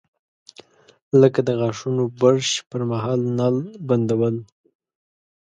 لکه د غاښونو برش پر مهال نل بندول.